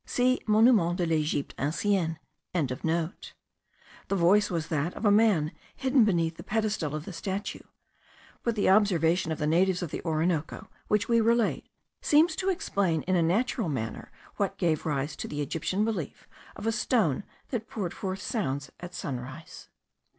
See Monuments de l'Egypte Ancienne.) the voice was that of a man hidden beneath the pedestal of the statue; but the observation of the natives of the Orinoco, which we relate, seems to explain in a natural manner what gave rise to the Egyptian belief of a stone that poured forth sounds at sunrise.